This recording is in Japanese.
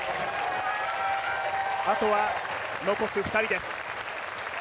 あとは残す２人です。